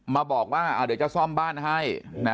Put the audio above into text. มาบอกว่าเดี๋ยวจะซ่อมบ้านให้